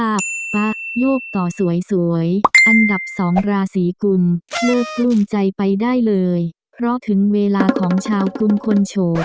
อันดับ๒ราศีกุมเลิกรุ้มใจไปได้เลยเพราะถึงเวลาของชาวกุมคนโฉด